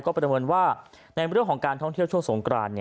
ประเมินว่าในเรื่องของการท่องเที่ยวช่วงสงกราน